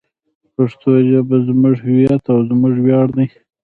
پښتو ژبه زموږ هویت او زموږ ویاړ دی.